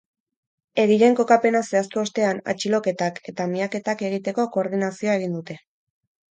Egileen kokapena zehaztu ostean, atxiloketak eta miaketak egiteko koordinazioa egin dute.